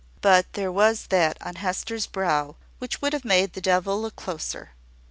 But there was that on Hester's brow which would have made the devil look closer.